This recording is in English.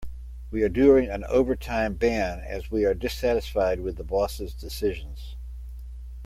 We are doing an overtime ban as we are dissatisfied with the boss' decisions.